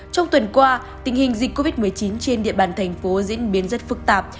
trong tuần qua tình hình dịch covid một mươi chín trên địa bàn thành phố diễn biến rất phức tạp